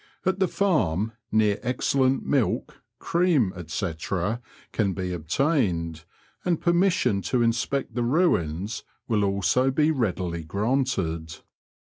At the farm near excellent milk, cream, &c., can be obtained, and per mission to inspect the ruins will also be readily granted.